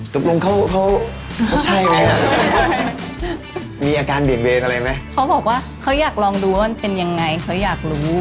ตกลงเค้าใช่เลยมีอาการเวรเวรอะไรไหม